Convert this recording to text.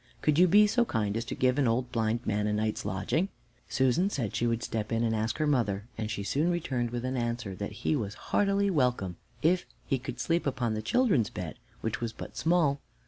Could you be so kind as to give an old blind man a night's lodging?" Susan said she would step in and ask her mother, and she soon returned with an answer that he was heartily welcome, if he could sleep upon the children's bed, which was but small.